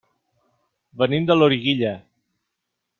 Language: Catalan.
Venim de Loriguilla.